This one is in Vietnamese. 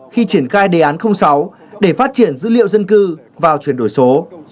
khi triển khai đề án sáu để phát triển dữ liệu dân cư vào chuyển đổi số